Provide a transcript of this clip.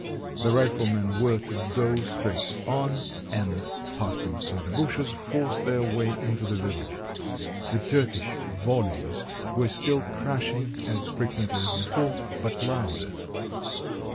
The riflemen were to go straight on, and, passing through the bushes, force their way into the village. The Turk ish volleys were still crashing, as frequently as before, but louder.